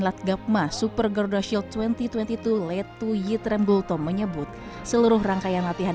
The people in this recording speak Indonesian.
lat gapma super garuda shield dua ribu dua puluh dua led to ye tremble tom menyebut seluruh rangkaian latihan